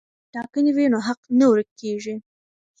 که ټاکنې وي نو حق نه ورک کیږي.